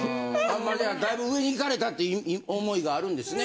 じゃあだいぶ上に行かれたって思いがあるんですね？